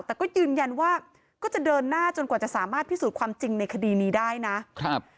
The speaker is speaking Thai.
แต่ก็ยืนยันว่าก็จะเดินหน้าจนกว่าจะสามารถพิสูจน์ความจริงในคดีนี้ได้นะครับ